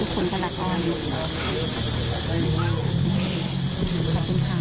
เพราะสุขของเหมือนทางกลาง